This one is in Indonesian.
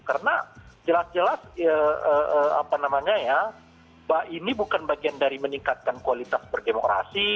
karena jelas jelas apa namanya ya ini bukan bagian dari meningkatkan kualitas berdemokrasi